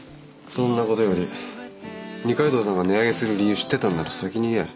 そんなことより二階堂さんが値上げする理由知ってたんなら先に言え。